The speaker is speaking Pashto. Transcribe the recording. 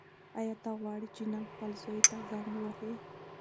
ایا ته غواړې چې نن خپل زوی ته زنګ ووهې؟